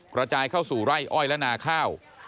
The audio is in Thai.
กระจายเข้าสู่ไร่อ้อยและนาข้าว